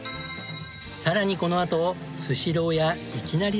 さらにこのあとスシローやいきなり！